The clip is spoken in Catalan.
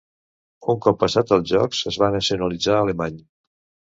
Un cop passat els Jocs es va nacionalitzar alemany.